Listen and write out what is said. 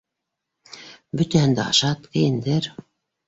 Бөтәһен дә ашат, кейендер.